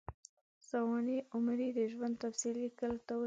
سوانح عمري د ژوند تفصیلي لیکلو ته وايي.